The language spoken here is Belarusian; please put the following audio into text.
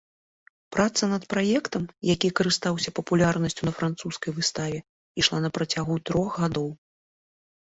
Праца над праектам, які карыстаўся папулярнасцю на французскай выставе, ішла на працягу трох гадоў.